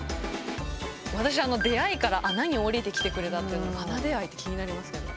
私「出会い」から「穴に下りてきてくれた」って穴出会いって気になりますね。